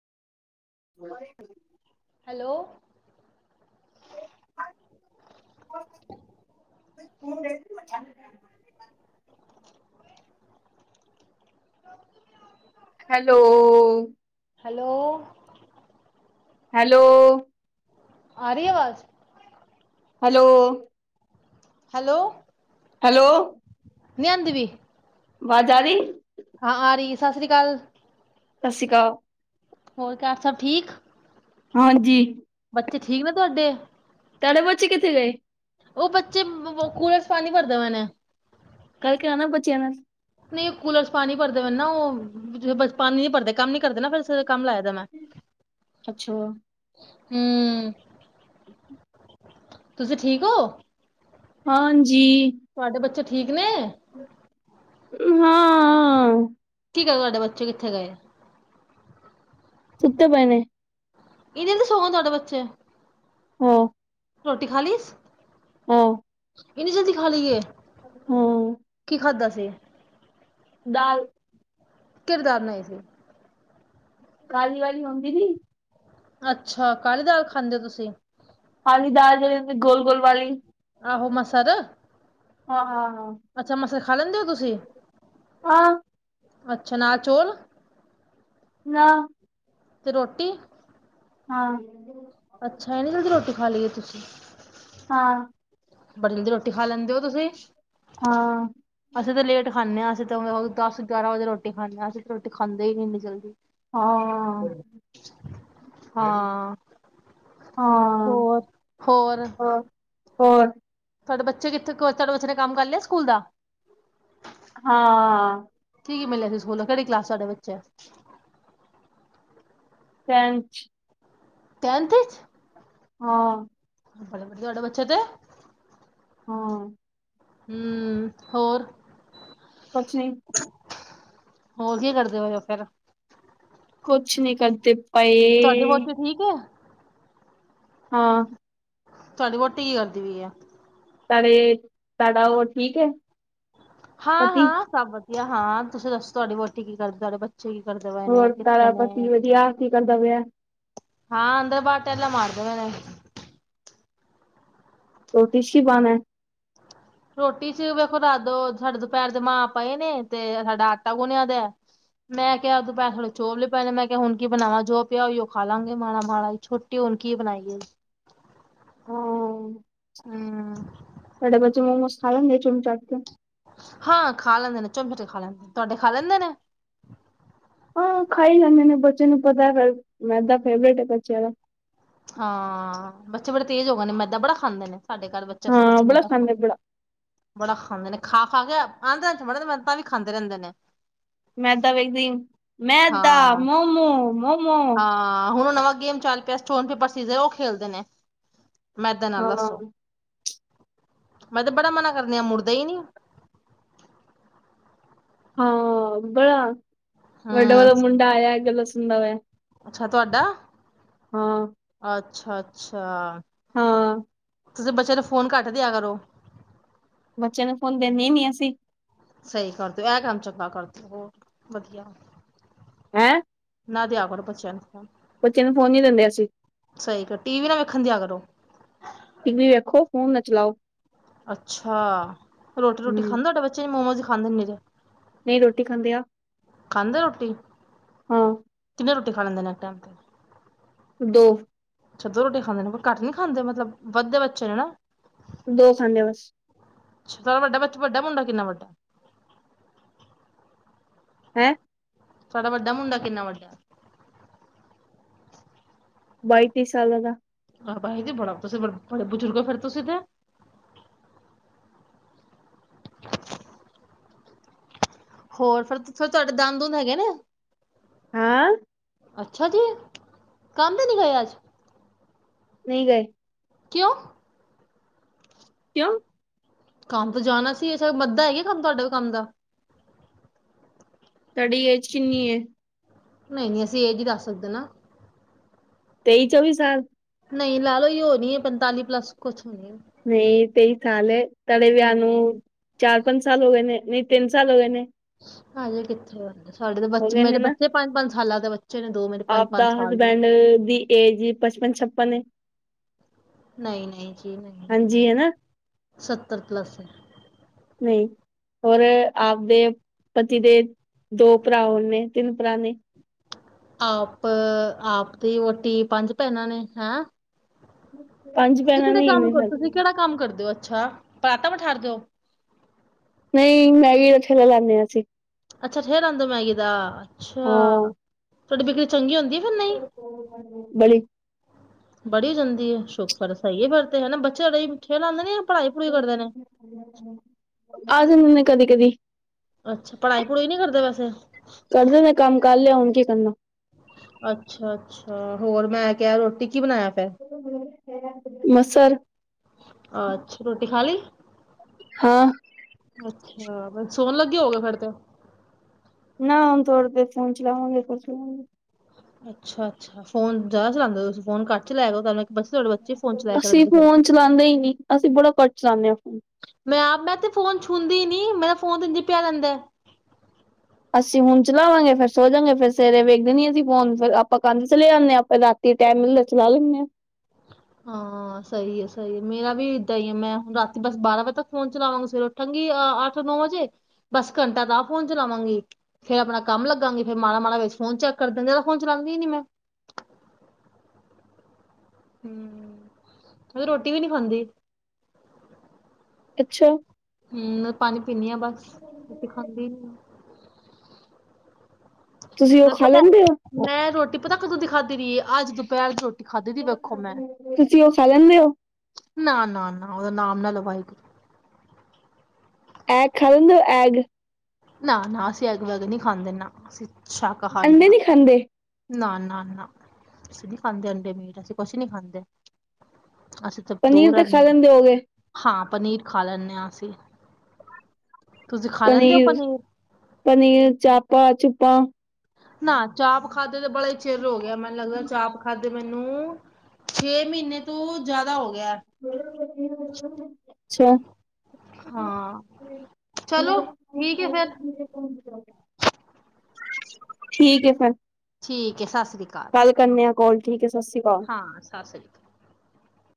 [unintelligible] Hello [unintelligible] [unintelligible] hello hello hello ਆਰੀ ਆਵਾਜ਼ hello hello hello ਨਿ ਆਦੀ ਪਈ ਅਵਾਦ ਆ ਰਹੀ ਹਾਂ ਆ ਰਹੀ ਸਤਿ ਸ੍ਰੀ ਅਕਾਲ ਸਤਿ ਸ੍ਰੀ ਅਕਾਲ ਹੋਰ ਘਰ ਸਭ ਠੀਕ ਹਾਂਜੀ ਬੱਚੇ ਠੀਕ ਨੇ ਤੁਹਾਡੇ ਤਡੇ ਬਚ ਕਿਥੇ ਗਏ ਉਹ ਬੱਚੇ ਕੁਲਰ ਚ ਪੀਣੀ ਘੜਦੇ ਪਏ ਨੇ ਗਲ ਕਰਨਾ ਬਚਿਆਂ ਨਾਲ ਨਹੀਂ ਉਹ ਕੂਲਰ ਚ ਪਾਣੀ ਭਰਦੇ ਵ ਨਾ ਉਹ ਪਾਣੀ ਨੀ ਭਰਦੇ ਕੰਮ ਨੀ ਕਰਦੇ ਨਾ ਫਿਰ ਕੰਮ ਲਾਏ ਦਾ ਮੈਂ ਅੱਛਾ, ਹਮ ਅੱਛ ਤੁਸੀਂ ਠੀਕ ਹੋ ਹਾਂਜੀ ਜੀ ਤੁਹਾਡੇ [unintelligible] ਨੇ ਹਾਂ ਕੀ ਕਰ ਤੁਹਾਡੇ ਬੱਚੇ ਕਿੱਥੇ ਗਏ ਸੁੱਤੇ ਪਏ ਨੇ ਇਹਨੀ ਤੇ ਸਖ ਤੁਹਾਡੇ ਬੱਚੇ ਹਾਂ ਰੋਟੀ ਖਾਲੀਿਸ ਹਾਂ, ਇੰਨੀ ਜਲਦੀ ਖਾ ਲਈਏ ਹਾਂ ਕੀ ਖਾਧਾ ਸੀ ਦਾਲ [unintelligible] ਨਾਲ ਹੀ ਸੀ ਕੀਲੀ ਵਾਲੀ ਹੁਦੀ ਨਹੀ ਅੱਛਾ ਕਾਹਲੀ ਦਾਲ ਖਾਂਦੇ ਹੋ ਤੁਸੀਂ ਖਾਲੀ ਦਾਲ ਜਹੜ ਗੋਲ ਗੋਲ ਵਾਲੀ ਆਹੋ ਮਸਰ ਦਾ ਹਾਂ ਹਾਂ ਹਾਂ ਲੈਂਦੇ ਹੋ ਤੁਸੀਂ ਆਹ ਅੱਛਾ ਨਾ ਚੋਲ ਨਾ ਤੇ ਰੋਟੀ ਹਾਂ ਅੱਛਾ ਇਹਨੀ ਜਲਦੀ ਰੋਟੀ ਖਾ ਲਈਏ ਤੁਸੀਂ ਹਾਂ ਬੜੀ ਜਲਦੀ ਰੋਟੀ ਖਾ ਲੈਂਦੇ ਹੋ ਤੁਸੀਂ ਅਸੀਂ ਤਾਂ ਲੇਟ ਖਾਂਦੇ ਹਾਂ ਅਸੀਂ ਦਸ ਗਿਆਰਾਂ ਵਜੇ ਰੋਟੀ ਖਾਂਦੇ ਹ ਅਸੀਂ ਤੇ ਰੋਟੀ ਖਾਂਦੇ ਹੀ ਨ ਇੰਨੀ ਜਲਦੀ ਹਾਂ ਹਾਂ ਹਾਂ ਹੋਰ ਹੋਰ ਹ ਹੋਰ ਤੁਹਾਡੇ ਬੱਚੇ ਕਿੱਥੇ ਤੁਹਾਡੇ ਬੱਚੇ ਨੇ ਕੰਮ ਕਰ ਲਿਆ ਸਕੂਲ ਦਾ ਹਾਂ ਕੀ ਕੀ ਮਿਲਿਆ ਸੀ ਸਕੂਲ ਕਿਹੜੀ ਕਲਾਸ ਸਾਡੇ ਬੱਚੇ [unintelligible] [unintelligible] ਹਾਂ ਬੜ ਵਧ ਅੜ ਵੱਚ ਤੇ ਹਾਂ ਹਮ ਹੋਰ ਕੁਛ ਨਹੀਂ ਹੋਰ ਕੀ ਕਰਦੇ ਹੋ ਫੇਰ ਕੁਛ ਨਹੀਂ ਕਰਦੇ ਤੁਹਾਡੀ ਏ ਵਹੁਟੀ ਠੀਕ ਹੈ ਹਾਂ ਤੁਹਾਡੀ ਵਹੁਟੀ ਕੀ ਕਰਦੀ ਪਈ ਹੈ [unintelligible] ਤੁਹਾਡਾ ਉਹ ਠੀਕ ਹੈ ਪਤੀ ਵੀ ਹਾਂ ਤੁਸੀਂ ਦੱਸੋ ਤੁਹਾਡੀ ਵੋਟੀ ਕੀ ਕਰਦੇ ਤੁਹਾਡੇ ਕੀ ਕਰਦੇ ਪਏ ਨੇ ਹੋਰ ਕਿੱਥੇ ਤੁਹਾਡਾ ਪਤੀ ਨੇ ਵਧੀਆ ਕੀ ਕਰਦਾ ਪਿਆ ਹੈ ਹਾਂ ਅੰਦਰ ਬਾਹਰ ਟੇਲਾ ਮਾਰਦੇ ਪਏ ਨੇ [unintelligible] ਰੋਟੀ ਚ ਵੇਖੋ ਰਾੱਤ ਸਾਡੇ ਦੁਪਹਿਰ ਦੇ ਮਾਂ ਪਏ ਨੇ ਤੇ ਸਾਡਾ ਆਟਾ ਗੁਣਿਆ ਦਾ ਮੈਂ ਕਿਹਾ ਦੁਪਹਿਰ ਥੋੜੇ ਚੋਪਲੇ ਪਏ ਨੇ ਮੈਂ ਕਿਹਾ ਹੁਣ ਕੀ ਬਣਾਵਾਂ ਜੋ ਪਿਆ ਹੋਈ ਉਹ ਖਾ ਲਵਗੇ ਮਾੜਾ ਮਾੜਾ ਛੋਟੀ ਹੁਣ ਕੀ ਬਣਾਈਏ ਹਾਂ ਹਮ ਸਾਡੇ ਬੱਚੇ ਮੋਮੋਸ ਖਾ ਲੈਂਦੇ ਚੁਨ ਚੱਟ ਕੇ ਹਾਂ ਖਾ ਲੈਂਦੇ ਨੇ [unintelligible] ਖਾ ਲੈਂਦੇ ਨੇ ਤੁਹਾਡੇ ਖਾ ਲੈਂਦੇ ਨੇ ਖਾਈ ਲੈਂਦੇ ਨੇ ਬੱਚੇ ਨੂੰ ਪਤਾ ਫਿਰ ਮੈਦਾ ਫੇਵਰੇਟ ਹੈ ਬੱਚਿਆਂ ਦਾ ਹਾਂ ਬੱਚੇ ਬੜੇ ਤੇਜ਼ ਹੋ ਗਏ ਨੇ ਮੈਦਾ ਬੜਾ ਖਾਂਦੇ ਨੇ ਸਾਡੇ ਘਰ ਬੱਚੇ ਹਾਂ ਬੱਚੇ ਨ ਬੜਾ ਖਾਂਦੇ ਬੜਾ ਬੜਾ ਖਾਂਦੇ ਨੇ ਖਾ ਖਾ ਕੇ [unintelligible] ਬੜੇ ਮਨਤਾਂ ਵੀ ਖਾਂਦੇ ਰਹਿੰਦੇ ਨੇ ਮੈਦਾ ਵੇਖਦੇ ਮੈਦਾ ਹਾਂ ਮੋਮੋ ਮੋਮੋ ਹਾਂ ਹੁਣ ਨਵਾਂ ਗੇਮ ਚੱਲ ਪਿਆ ਸਟੋਨ ਪੇਪਰ ਸੀਜ਼ਰ ਉਹ ਖੇਡਦੇ ਨੇ ਮੈਦੇ ਨਾਲ ਹਾਂ ਦੱਸੋ ਮੈਂ ਤੇ ਬੜਾ ਮਨਾ ਕਰ ਆ ਮੁੜਦਾ ਈ ਨਹੀਂੀ ਹਾਂ ਬਲਾ ਵੱਡਾ ਹੂੰ ਵਡਾ ਮੁੰਡਾ ਆਇਆ ਅ ਬਸ [unintelligible] ਅੱਛਾ ਤੁਹਾਡਾ ਹਾਂ ਅੱਛਾ ਅੱਛਾ ਹਾਂ ਤੁਸੀਂ ਬੱਚਿਆਂ ਨੂੰ ਫੋਨ ਘੱਟ ਦਿਆ ਕਰੋ ਬੱਚੇ ਨੂੰ ਫੋਨ ਦਿੰਦੇ ਨੀ ਅਸੀਂ ਸਹੀ ਕਰਦੇਓ ਇਹ ਕੰਮ ਚੰਗਾ ਕਰ ਦਿਓ ਹੋਰ ਵਧੀਆ ਹੈਂ ਨਾ ਦਿਆ ਕੋਣ ਬੱਚਣ ਬੱਚੇ ਨੂੰ ਫੋਨ ਨੀ ਦਿੰਦੇ ਅਸੀਂ ਸਹੀ ਕਰ ਟੀ ਵੀ ਨਾ ਵੇਖਣ ਦੀ ਆ ਕਰੋ ਟੀ ਵੀ ਵੇਖੋ ਫੋਨ ਨਾ ਚਲਾਓ ਅੱਛਾ ਰੋਟੀ ਰੋਟੀ ਹਮ ਖਾਂਦਾ ਤੁਹਾਡੇ ਬੱਚੇ ਨੇ ਮੋਮੋਜ਼ ਖਾਂਦੇ ਨ ਤੇ ਨਹੀਂ ਰੋਟੀ ਖਾਂਦੇ ਆ ਖਾਂਦੇ ਰੋਟੀ ਹਾਂ ਕਿਨੇ ਰੋ ਖਦੇ ਦੋ ਅਛੱ ਦੋ ਰੋਟੀ ਖਾਂਦੇ ਨੇ ਪਰ ਘੱਟ ਨੀ ਖਾਂਦੇ ਮਤਲਬ ਵੱਧਦੇ ਬੱਚੇ ਨੇ ਨਾ ਦੋ ਖਾਂਦੇ ਬਸ ਅੱਛਾ ਵੱਡਾ ਬੱਚਾ ਵੱਡਾ ਮੁੰਡਾ ਕਿੰਨਾ ਵੱਡਾ ਹੈਂ ਤੁਡਾ ਵੱਡਾ ਮੁੰਡਾ ਕਿੰਨਾ ਵੱਡਾ ਬਾਈਤੀ ਸਾਲ ਦਾ ਆਹੋ ਭਾਈ ਦੀ ਬੜਾ ਤੁਸੀਂ ਬੜੇ ਬਜ਼ੁਰਗ ਹੋ ਫੇਿਰ ਤੁਸੀਂ ਤੇ ਹੋਰ ਫਿਰ ਫਿਰ ਤੁਹਾਡੇ ਦੰਦ ਦੁੰਦ ਹੈਗੇ ਨੇ ਹਾਂ ਅੱਛਾ ਜੀ ਕੰਮ ਤੇ ਨੀ ਗਏ ਅੱਜ ਨਹੀਂ ਗਏ ਕਿਉਂ ਕਿਉਂ ਕੰਮ ਤੋਂ ਜਾਣਾ ਸੀ ਅ ਮੱਧ ਹੈਗੇ ਕੰਮ ਤੁਹਾਡੇ ਕੰਮ ਦਾ ਤੁਹਾਡੀ ਅੇਜ ਕਿਨੀ ਹੈ ਨਹੀਂ ਨਹੀਂ ਅਸੀਂ ਅੇਜ ਹੀ ਦੱਸ ਸਕਦੇ ਨਾ ਤੇਈ ਚੌਵੀ ਸਾਲ ਨਹੀਂ ਲੈ ਲਓ ਹੀ ਹੋ ਨਹੀਂ ਹੈ ਪੰਤਾਲੀ ਪਲੱਸ ਕੁਛ ਹੋਣੀ ਨਹੀਂ ਤੇਈ ਸਾਲ ਤੁਹਾਡੇ ਵਿਆਹ ਨੂੰ ਹੈ ਚਾਰ ਪੰਜ ਸਾਲ ਹੋ ਗਏ ਨੇ ਨ ਤਿੰਨ ਸਾਲ ਹੋ ਗਏ ਨੇ ਹਾਂਲੇ ਕਿੱਥੇ ਸਾਡੇ ਤਾਂ ਹੋ ਬੱਚੇ ਗਏ ਨੇ ਮੇਰੇ ਨਾ ਬੱਚੇ ਸਾਲਾਂ ਦੇ ਬੱਚੇ ਨੇ ਦੋ ਮੇਰੇ ਆਪਦਾ ਸਾਲ ਦੇ ਹਸਬੈਂਡ ਦੀ ਏਜ ਪਚਪਨ ਛਪਨ ਏ ਨਹੀਂ ਨਹੀਂ ਜੀ ਨਹੀਂ ਹਾਂਜੀ ਹਨਾ ਸੱਤਰ ਪਲਸ ਹੈ ਨਹੀਂ ਹੋਰ ਆਪਦੇ ਪਤੀ ਦੇ ਦੋ ਭਰਾ ਹੋ ਨੇ ਤਿੰਨ ਭਰਾ ਨੇ ਆਪ ਆਪ ਦੀ ਵੋਟੀ ਪੰਜ ਭੈਣ ਨੇ ਹੈਂ ਹਮ ਤੁਸੀਂ ਕਿਹੜੇ ਕੰਮ ਕਰਦੇ ਤੁਸੀਂ ਕਿਹੜਾ ਕੰਮ ਕਰਦੇ ਹੋ ਅੱਛਾ [unintelligible] ਦਿਓ ਨਹੀਂ ਮੈਗੀ ਦਾ ਛਲਾ ਲਾਦੇ ਹਾਂ ਅਸੀਂ ਅੱਛ [unintelligible] ਮੈਗੀ ਦਾ ਅੱਛਾ ਹਾਂ ਤੁਹਾਡੀ ਬਕਰੀ ਚੰਗੀ ਹੁੰਦੀ ਆ ਫਿਰ ਨਹੀਂ ਬੜੀ ਬੜੀ ਹੋ ਜਾਂਦੀ ਹੈ ਸੁਕ ਫਰਸਾਈਏ ਫਰ ਤੇ ਹਨਾ ਬੱਚੇਠੇਲ ਆਉਂਦੇ ਅਜੇ [unintelligible] ਕਦੀ ਕਦੀ ਅੱਛਾ ਪੜ੍ਹਾਈ ਪੜ੍ਹੂਈ ਨਹੀਂੀ ਕਰਦੇ ਵੈਸੇ ਕਰਦੇ ਨੇ ਕੰਮ ਕਰ ਲਿਆ ਹੁਣ ਕੀ ਕਰਨਾ ਅੱਛਾ ਅੱਛਾ ਹੋਰ ਮੈਂ ਕਿਹਾ ਰੋਟੀ ਕੀ ਬਣਾਇਆ ਫਿਰ ਮਸਰ ਅੱਛਾ ਰੋਟੀ ਖਾ ਲਈ ਹਾਂ ਅੱਛਾ ਬਸ। ਸੋਨ ਲੱਗੇ [inaudible] ਫੇਰ ਤੇ ਨਾ ਹੁਨ ਖੋੜੀ ਦੇਰ ਫੋਨ ਚਲਾਵਾਂਗੇ [inaudible] ਅੱਛਾ, ਅੱਛਾ ਫੋਨ ਜ਼ਿਆਦਾ ਚਲਾਦੇ ਹੋ ਤੁਸੀ ਫੋਨ ਘੱਟ [inaudible] ਬੱਚੇ ਫੋਨ ਚਲਾਇਆ ਅਸੀ ਕਰਨਗੇ ਫਿਰ ਤੇ ਫੋਨ ਚਲਾਂਦੇ ਹੀ ਨੀ, ਅਸੀ ਬੜਾ ਕੱਟ ਚਲਾਂਦੇ ਆਂ ਫੋਨ ਮੈਂ ਆਪ ਮੈਂ ਤੇ ਫੋਨ ਛੂਂਦੀ ਨੀ ਮੇਰਾ ਫੋਨ ਤੇ ਏਜੇਂ ਪਿਆ ਰੈਂਦਾ ਅਸੀ ਹੁਨ ਚਲਾਵਾਂਗੇ ਫੇਰ ਸੋ ਜਾਂਗੇ ਫੇਰ ਸਵੇਰੇ ਵੇਖਦੇ ਨੀ ਅਸੀ ਫੋਨ ਫੇਰ ਆਪਾ ਕੰਮ ਚਲੇ ਜਾਂਨੇ ਆ ਫੇਰ ਰਾਤੀ ਟਾਈਮ [inaudible] ਚਲਾ ਲੈਂਨੇ ਆ। ਹਾਂ ਸਹੀ ਏ ਸਹੀ ਏ ਮੇਰਾ ਵੀ ਏਦਾਂ ਹੀ ਏ ਮੈਂ ਹੁਨ ਰਾਤੀ ਬਸ ਬਾਰਾਂ ਵਜੇ ਤੱਕ ਫ਼ੋਨ ਚਲਾਵਾਂਗੀ ਸਵੇਰ ਉੱਠਾਂਗੀ ਅੱਠ ਨੌ ਵਜੇ ਬਸ ਘੰਟਾ ਤਾਂ ਫੋਨ ਚਲਾਵਾਂਗੀ, ਫੇਰ ਆਪਨਾ ਕੰਮ ਲੱਗਾਂਗੀ ਫੇਰ ਮਾੜਾ, ਮਾੜਾ ਵੇਚ ਫੋਨ ਚੈੱਕ ਕਰ [inaudible] ਫੋਨ ਚਲਾਂਦੀ ਨੀ ਮੈਂ ਹੂੰ, ਰੋਟੀ ਵੀ ਨੀ ਬਂਦੀ ਅੱਛਾ ਹੂੰ, ਪਾਨੀ ਪੀਨੀ ਆਂ ਬਸ ਰੋਟੀ ਖਾਂਦੀ- ਤੁਸੀਂ ਉਹ [inaudible] ਖਾ ਪਤਾ ਲੈਂਦੇ ਹੋ ਮੈਂ ਰੋਟੀ ਪਤਾ ਕਦੋ ਦੀ ਖਾਦੀ ਦੀਏ, ਅੱਜ ਦੋਪਹਿਰ ਤੁਸੀ ਓ ਖਾ ਲੈਂਦੇ ਓ। ਨਾ, ਨਾ, ‌ ਨਾ, ਉਦਾ ਨਾਮ ਨਾ ਲੋ [inaudible] ਐਗ ਖਾ ਲੈਦੇਂ ਐਗ ਨਾ, ਨਾ ਅਸੀੇ ਐਗ ਵਗੈਰਾ ਨੀ ਖਾਂਦੇ ਨਾ ਅਸੀ ਅੰਡੇ ਨੀ ਖਾਂਦੇ। ਨਾ, ਨਾ, ਨਾ, ਅਸੀ ਨੀ ਖਾਂਦੇ ਅੰਡੇ ਮੀਟ, ਅਸੀ ਕੋਛ ਨੀ ਖਾਂਦੇ। ਅਸੀ‌ ਤੇ ਪਨੀਰ ਦੂਰ [inaudible] ਤਾਂ ਖਾ ਲੈਂਦੇ ਹੋਗੇ ਹਾਂ। ਪਨੀਰ ਖਾ ਲੈਂਨੇ ਆਂ ਅਸੀਂ ਤੁਸੀ ਖਾ ਲੈਂਦੇ ਓ। ਪਨੀਰ ਪਨੀਰ, ਚਾਪਾ, ਚੁ [inaudible] ਨਾ ਚਾਪ ਖਾਧੇ ਤੇ ਬੜਾ ਈ ਚੇਰ [inaudible] ਗਿਆ ਮੈਨ ਲੱਗਦਾ ਚਾਪ ਖਾ ਤੇ ਮੈਨੂੰ- ਛੇ ਮਹੀਨੇ ਤੋ ਜ਼ਿਆਦਾ ਹੋ ਗਿਆ ਅੱਛਾ ਹਾਂ ਚਲੋ ਠੀਕ ਹੈ ਫਿਰ ਠੀਕ ਏ ਫੇਰ ਠੀਕ ਏ ਸਾਸ ਕਾਲ ਕਰਨੇ ਆ ਕੋਲ। ਠੀਕ ਐ। ਹਾਂ, ਸਾ ਸ੍ਰ